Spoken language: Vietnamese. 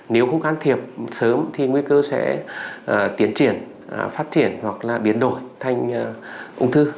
nếu không can thiệp sớm thì nguy cơ sẽ tiến triển phát triển hoặc là biến đổi thành ung thư